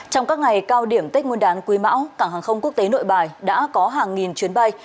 trong các ngày cao điểm tết nguyên đán quý mão cảng hàng không quốc tế nội bài đã có hàng nghìn chuyến bay